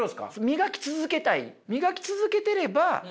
磨き続けたい。